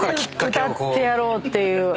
どっかで歌ってやろうっていう。